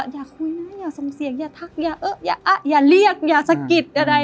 อย่าคุยนะอย่าส่งเสียงอย่าทักอย่าเอออย่าอะอย่าเรียกอย่าสะกิดอะไร